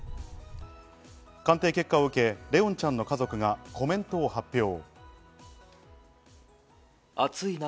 鑑定結果を受け、怜音ちゃんの家族がコメントを発表。